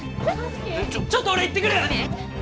ちょっと俺行ってくる！